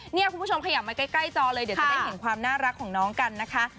เนี่ยคุณผู้ชมขยับมาใกล้จอเลยเดี๋ยวจะได้เห็นความน่ารักของน้องกันนะคะ